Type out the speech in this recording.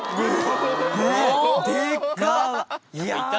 でかっ！